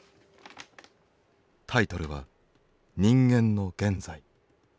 タイトルは「人間の現在」。